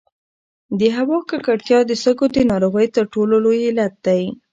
د هوا ککړتیا د سږو د ناروغیو تر ټولو لوی علت دی.